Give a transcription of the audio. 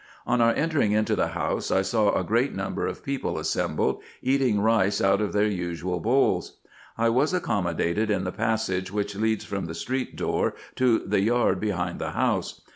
On our entering into the house, I saw a great number of people assembled, eating rice out of their usual bowls. I was accommodated in the passage which leads from the street door to the yard behind the house.